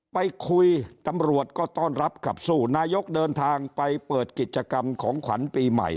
ไปคุยตำรวจก็ต้อนรับขับสู้นายกเดินทางไปเปิดกิจกรรมของขวัญปีใหม่